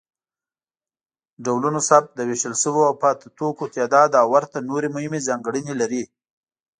ډولونوثبت، د ویشل شویو او پاتې توکو تعداد او ورته نورې مهمې ځانګړنې لري.